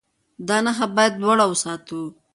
دا نښه باید لوړه وساتو.